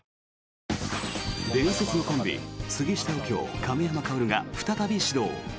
伝説のコンビ杉下右京・亀山薫が再び始動！